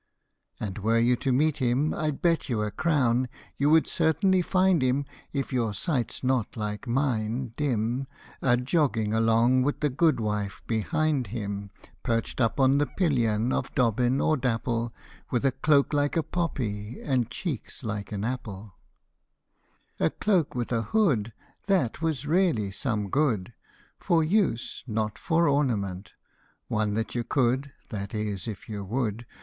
And were you to meet him, I 'd bet you a crown You would certainly find him (If your sight's not, like mine, dim,) A jogging along with the goodwife behind him, Perched up on the pillion of Dobbin or Dapple, W T ith a cloak like a poppy and cheeks like an apple : A cloak with a hood, that was really some good, For use, not for ornament one that you could (That is, if you would) LITTLE RED RIDING HOOD.